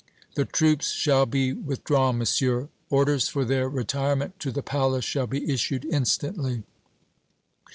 "The troops shall be withdrawn, Monsieur. Orders for their retirement to the palace shall be issued instantly."